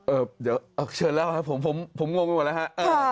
เออเดี๋ยวเชิญแล้วครับผมงงไปหมดแล้วฮะ